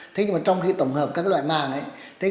thế nhưng mà trong khi tổng hợp các loại màng ấy